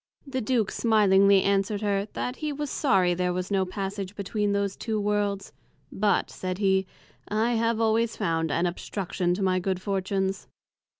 The Duke smilingly answered her, That he was sorry there was no Passage between those two Worlds; but, said he, I have always found an Obstruction to my Good Fortunes.